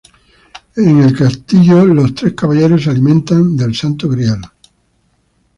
En el castillo, los tres caballeros se alimentan del Santo Grial.